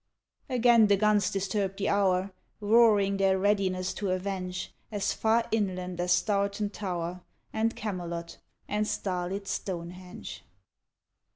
Again the guns disturbed the hour, Roaring their readiness to avenge, As far inland as Stourton Tower, And Camelot, and starlit Stonehenge.